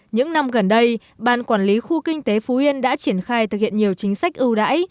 những năm gần đây ban quản lý khu kinh tế phú yên đã triển khai thực hiện nhiều chính sách ưu đãi